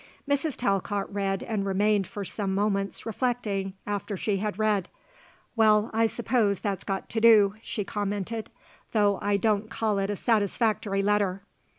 Mrs. Talcott read and remained for some moments reflecting after she had read. "Well, I suppose that's got to do," she commented, "though I don't call it a satisfactory letter.